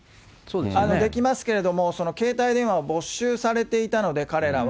できますけれども、携帯電話を没収されていたので、彼らは。